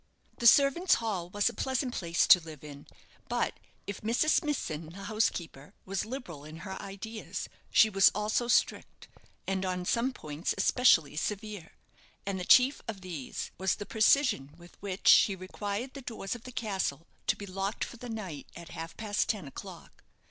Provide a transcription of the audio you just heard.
The servants' hall was a pleasant place to live in, but if Mrs. Smithson, the housekeeper, was liberal in her ideas she was also strict, and on some points especially severe; and the chief of these was the precision with which she required the doors of the castle to be locked for the night at half past ten o'clock.